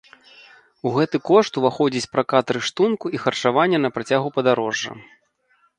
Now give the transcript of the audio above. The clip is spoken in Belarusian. У гэты кошт уваходзіць пракат рыштунку і харчаванне на працягу падарожжа.